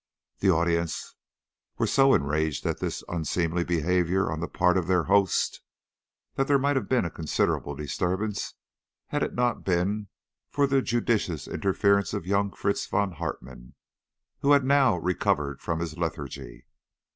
The audience were so enraged at this unseemly behaviour on the part of their host, that there might have been a considerable disturbance, had it not been for the judicious interference of young Fritz von Hartmann, who had now recovered from his lethargy.